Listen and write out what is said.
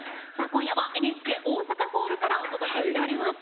今夜はＮＨＫ大阪ホールからお届けします。